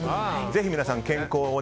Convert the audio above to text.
ぜひ皆さん健康を。